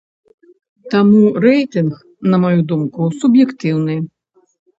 Таму рэйтынг, на маю думку, суб'ектыўны.